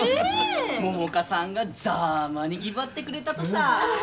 百花さんがざぁまにぎばってくれたとさぁ！